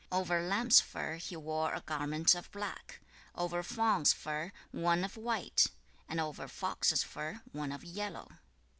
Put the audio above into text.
4. Over lamb's fur he wore a garment of black; over fawn's fur one of white; and over fox's fur one of yellow.